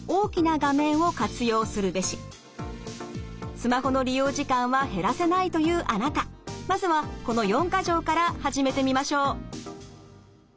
スマホの利用時間は減らせないというあなたまずはこの四か条から始めてみましょう。